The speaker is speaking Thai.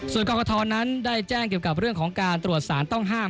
ส่วนกรกฐนั้นได้แจ้งเกี่ยวกับเรื่องของการตรวจสารต้องห้าม